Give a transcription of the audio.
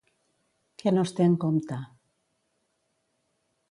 Què no es té en compte?